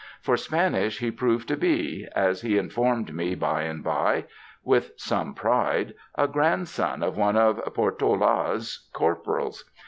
For Spanish he proved to be, as he in formed me by and by, with some pride — a grandson of one of Portola's corporals.